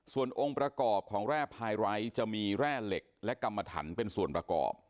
ส่วนองค์ประกอบของแร่พายไร้จะมีแร่เหล็กและกรรมถันเป็นส่วนประกอบ